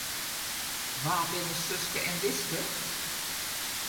Wa binne Suske en Wiske?